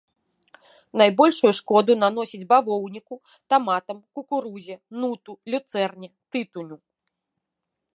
Найбольшую шкоду наносіць бавоўніку, таматам, кукурузе, нуту, люцэрне, тытуню.